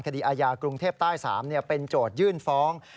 คดีอาญากรุงเทพใต้๓เป็นโจทยื่นฟ้อง